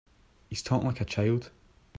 He's talking like a child.